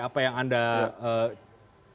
apa yang anda catat dari situ